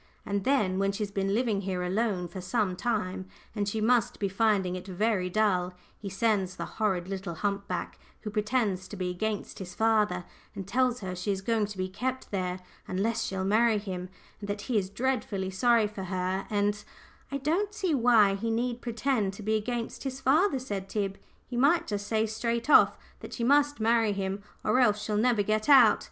And then, when she's been living here alone for some time, and she must be finding it very dull, he sends the horrid little hump back, who pretends to be against his father, and tells her she is going to be kept there unless she'll marry him, and that he is dreadfully sorry for her, and " "I don't see why he need pretend to be against his father," said Tib; "he might just say straight off that she must marry him or else she'll never get out.